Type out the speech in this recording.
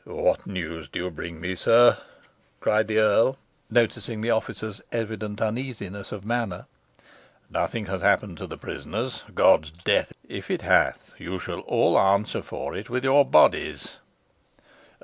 "What news do you bring me, sir?" cried the earl, noticing the officer's evident uneasiness of manner. "Nothing hath happened to the prisoners? God's death! if it hath, you shall all answer for it with your bodies."